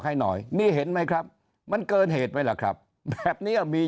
ให้หน่อยนี่เห็นไหมครับมันเกินเหตุไหมล่ะครับแบบนี้มี